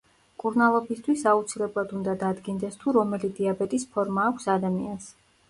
მკურნალობისთვის აუცილებლად უნდა დადგინდეს თუ რომელი დიაბეტის ფორმა აქვს ადამიანს.